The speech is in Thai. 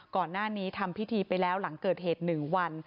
ก่อนหน้านี้ทำพิธีไปแล้วหลังเกิดเหตุ๑วัน